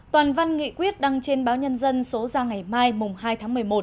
toàn văn nghị quyết đăng trên báo nhân dân số ra ngày mai hai tháng một mươi một